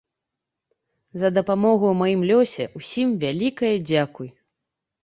За дапамогу ў маім лёсе ўсім вялікае дзякуй!